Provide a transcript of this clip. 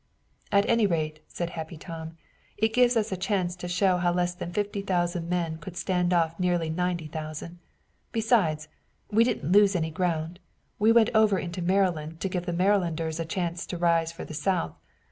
"At any rate," said Happy Tom, "it gave us a chance to show how less than fifty thousand men could stand off nearly ninety thousand. Besides, we didn't lose any ground. We went over into Maryland to give the Marylanders a chance to rise for the South.